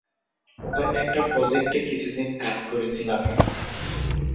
ওখানে একটা প্রজেক্টে কিছুদিন কাজ করেছিলাম।